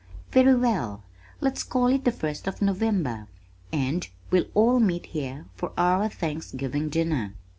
"Very well, let's call it the first of November, and we'll all meet here for our Thanksgiving dinner."